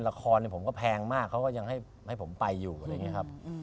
ผมก็แพงมากเขาก็ยังให้ผมไปอยู่อะไรอย่างนี้ครับ